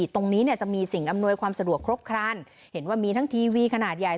ตรงนี้เนี่ยจะมีสิ่งอำนวยความสะดวกครบครันเห็นว่ามีทั้งทีวีขนาดใหญ่